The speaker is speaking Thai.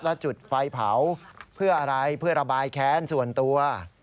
และจุดไฟเผาเพื่ออะไรเพื่อระบายแค้นส่วนตัว